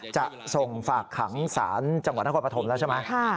จะส่งฝากขังศาลจังหวัดนครปฐมแล้วใช่ไหม